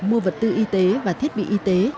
mua vật tư y tế và thiết bị y tế